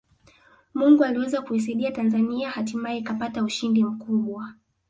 Mungu aliweza kuisaidia Tanzania hatimaye ikapata ushindi mkubwa